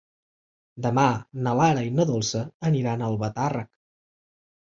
Demà na Lara i na Dolça aniran a Albatàrrec.